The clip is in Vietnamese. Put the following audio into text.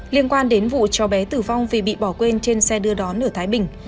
liên quan đến vụ cho bé tử vong vì bị bỏ quên trên xe đưa đón ở thái bình